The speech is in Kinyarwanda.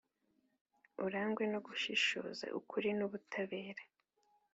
urangwe no gushishoza, ukuri n'ubutabera.